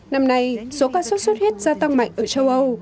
năm nay số ca sốt xuất huyết gia tăng mạnh ở châu âu